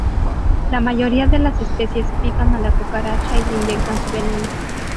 La mayoría de las especies pican a la cucaracha y le inyectan su veneno.